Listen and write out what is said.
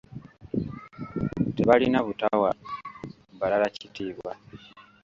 Tebalina butawa balala kitiibwa.